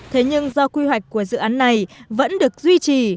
thế nhưng do quy hoạch của dự án này vẫn được duy trì